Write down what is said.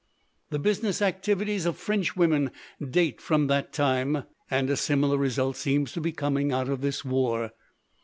"The business activities of Frenchwomen date from that time. And a similar result seems to be coming out of this war.